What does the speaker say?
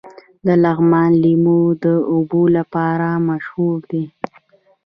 د لغمان لیمو د اوبو لپاره مشهور دي.